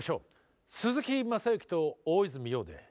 鈴木雅之と大泉洋で。